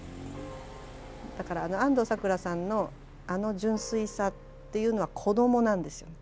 だから安藤サクラさんのあの純粋さというのは子どもなんですよね。